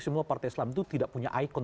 semua partai islam itu tidak punya ikon